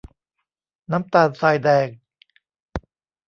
น้ำตาลทรายแดง